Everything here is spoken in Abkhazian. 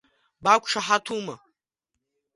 Бақәшаҳаҭума?